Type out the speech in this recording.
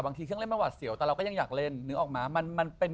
บางทีเครื่องเล่นไม่ว่าเสี่ยวแต่เราก็ยังอยากเล่น